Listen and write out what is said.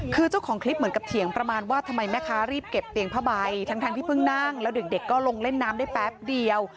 คือเจ้าของคลิปเหมือนกับเถียงประมาณว่าทำไมแม่ค้ารีบเก็บเตียงผ้าใบทั้งที่เพิ่งนั่งแล้วเด็กก็ลงเล่นน้ำได้แป๊บเดียว